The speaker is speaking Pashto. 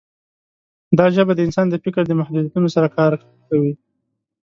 دا ژبه د انسان د فکر د محدودیتونو سره کار کوي.